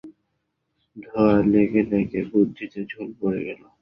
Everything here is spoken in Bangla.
ধোঁওয়া লেগে লেগে বুদ্ধিতে ঝুল পড়ে গেল!